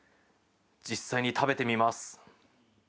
実際に食べてみます。